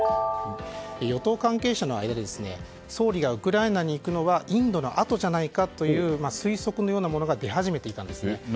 与党関係者の間で総理がウクライナに行くのはインドのあとじゃないかという推測のようなものが出始めていたんです。